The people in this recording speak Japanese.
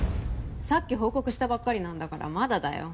さっき報告したばっかりなんだからまだだよ